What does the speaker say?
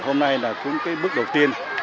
hôm nay là cũng cái bước đầu tiên